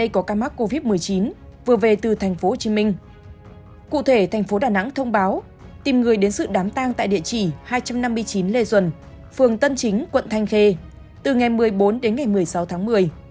cụ thể thành phố đà nẵng thông báo tìm người đến sự đám tang tại địa chỉ hai trăm năm mươi chín lê duẩn phường tân chính quận thanh khê từ ngày một mươi bốn đến ngày một mươi sáu tháng một mươi